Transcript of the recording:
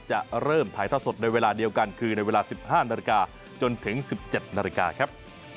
จะเริ่มถ่ายทอดสดในเวลาเดียวกันคือในเวลา๑๕๐๐นจนถึง๑๗๐๐นครับ